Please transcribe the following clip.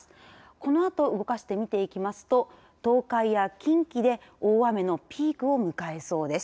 このあと動かして見ていきますと東海や近畿で大雨のピークを迎えそうです。